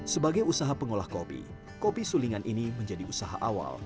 sebagai usaha pengolah kopi kopi sulingan ini menjadi usaha awal